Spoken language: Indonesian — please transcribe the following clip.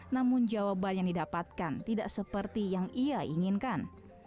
namun jawabannya didapatkan tidak seperti yang ia inginkan